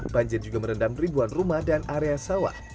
banjir juga merendam ribuan rumah dan area sawah